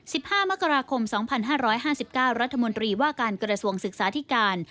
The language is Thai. ห้ามกราคมสองพันห้าร้อยห้าสิบเก้ารัฐมนตรีว่าการกระทรวงศึกษาธิการ